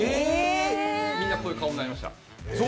みんなこういう顔されました。